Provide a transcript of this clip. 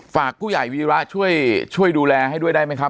ฝากผู้ใหญ่วีระช่วยช่วยดูแลให้ด้วยได้ไหมครับ